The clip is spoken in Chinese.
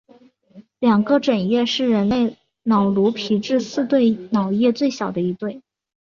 两个枕叶是人类脑颅皮质四对脑叶最小的一对。